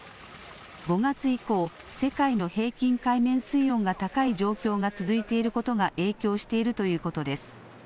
５月以降、世界の平均海面水温が高い状況が続いていることが影響しているということです。